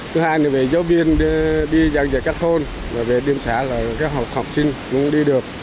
thứ hai là về giáo viên đi dặn dạy các khôn về đêm xã là các học sinh cũng đi được